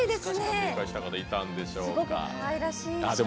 正解した方、いたんでしょうか。